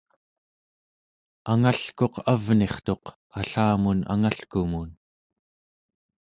angalkuq avnirtuq allamun angalkumun